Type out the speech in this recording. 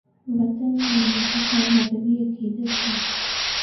، وطن کی محبت اور مذہبی عقیدت کے